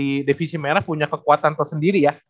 di divisi merah punya kekuatan tersendiri ya